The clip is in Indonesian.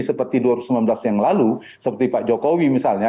seperti dua ribu sembilan belas yang lalu seperti pak jokowi misalnya